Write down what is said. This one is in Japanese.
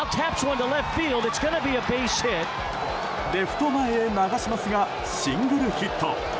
レフト前へ流しますがシングルヒット。